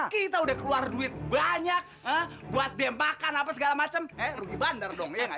kita udah keluar duit banyak buat dembakan apa segala macem eh rugi bandar dong